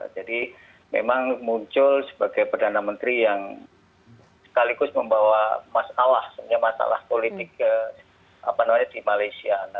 jadi memang muncul sebagai perdana menteri yang sekaligus membawa masalah masalah politik di malaysia